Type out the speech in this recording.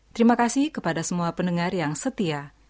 terima kasih kepada semua pendengar yang setia